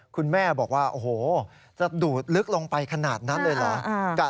คุณแม่บอกว่าโอ้โหจะดูดลึกลงไปขนาดนั้นเลยเหรอ